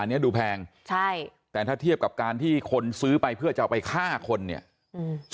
อันนี้ดูแพงใช่แต่ถ้าเทียบกับการที่คนซื้อไปเพื่อจะเอาไปฆ่าคนเนี่ยอืม